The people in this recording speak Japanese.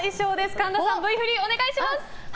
神田さん、Ｖ振りお願いします。